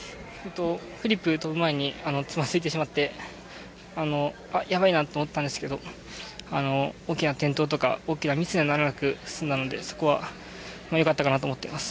フリップ跳ぶ前につまずいてしまってあっやばいなと思ったんですけど大きな転倒とか大きなミスにはならなく済んだのでそこはよかったかなと思っています。